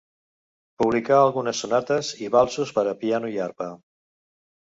Publicà algunes sonates i valsos per a piano i arpa.